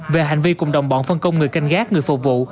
về hành vi cùng đồng bọn phân công người canh gác người phục vụ